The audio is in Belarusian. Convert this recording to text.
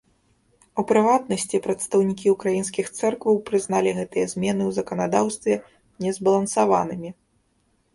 У прыватнасці, прадстаўнікі ўкраінскіх цэркваў прызналі гэтыя змены ў заканадаўстве незбалансаванымі.